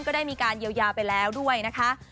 ได้มีการเยียวยาไปแล้วด้วยนะคะ